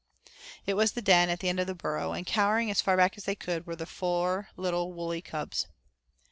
It was the den at the end of the burrow, and cowering as far back as they could, were the four little woolly cubs.